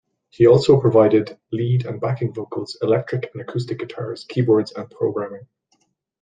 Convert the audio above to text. He also provided lead and backing vocals, electric and acoustic guitars, keyboards and programming.